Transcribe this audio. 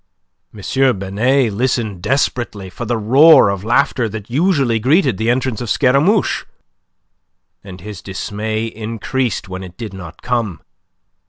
M. Binet listened desperately for the roar of laughter that usually greeted the entrance of Scaramouche, and his dismay increased when it did not come.